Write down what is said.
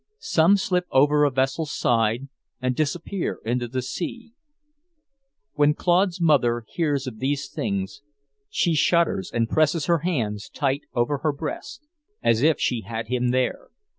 Some slip over a vessel's side and disappear into the sea. When Claude's mother hears of these things, she shudders and presses her hands tight over her breast, as if she had him there.